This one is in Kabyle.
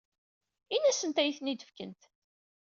Ini-asent ad iyi-ten-id-fkent.